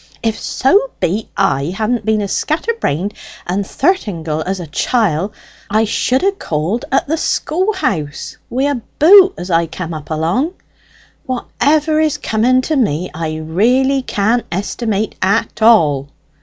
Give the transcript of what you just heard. "If so be I hadn't been as scatter brained and thirtingill as a chiel, I should have called at the schoolhouse wi' a boot as I cam up along. Whatever is coming to me I really can't estimate at all!"